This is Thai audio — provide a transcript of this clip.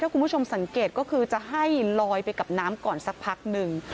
คุณผู้ชมสังเกตก็คือจะให้ลอยไปกับน้ำก่อนสักพักหนึ่ง